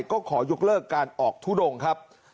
ก็ขอยกเลิกการออกทุดงครับ